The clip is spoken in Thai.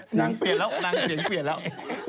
นางเปลี่ยนแล้วนางเสียงเปลี่ยนแล้ว